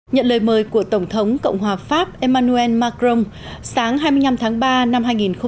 nhận lời mời của tổng thống cộng hòa pháp emmanuel macron sáng hai mươi năm tháng ba năm hai nghìn hai mươi